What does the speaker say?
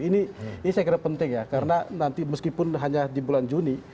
ini saya kira penting ya karena nanti meskipun hanya di bulan juni